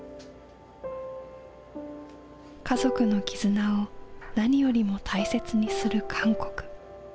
家族の絆を何よりも大切にする韓国。